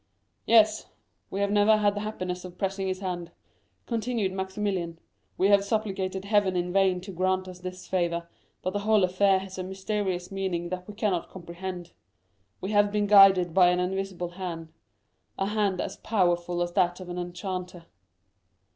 "Yes; we have never had the happiness of pressing his hand," continued Maximilian. "We have supplicated Heaven in vain to grant us this favor, but the whole affair has had a mysterious meaning that we cannot comprehend—we have been guided by an invisible hand,—a hand as powerful as that of an enchanter."